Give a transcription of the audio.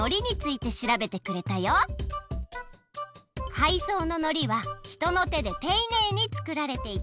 かいそうののりはひとのてでていねいにつくられていた。